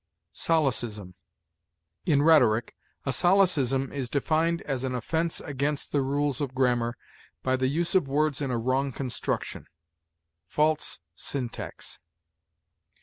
SOLECISM. In rhetoric, a solecism is defined as an offense against the rules of grammar by the use of words in a wrong construction; false syntax.